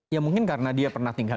ya mungkin karena dia pernah tinggal